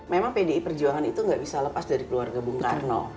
memang pdi perjuangan itu nggak bisa lepas dari keluarga bung karno